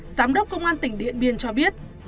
giám đốc công an tỉnh điện biên cho biết